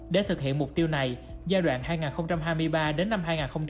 để thực hiện mục tiêu này giai đoạn hai nghìn hai mươi ba đến năm hai nghìn ba mươi